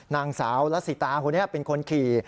นางสาวละสิตาคนนี้เป็นคนขี่